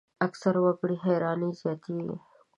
اکثرو وګړو حیراني زیاتېږي.